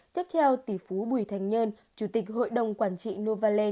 tiếp theo tỷ phú bùi thành nhân chủ tịch hội đồng quản trị nouvelle